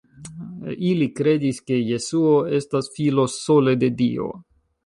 Ili kredis, ke Jesuo estas Filo sole de Dio.